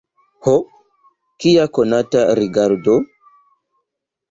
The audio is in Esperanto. Ho, kia konata rigardo!